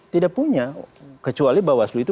tidak punya kecuali bawah selu itu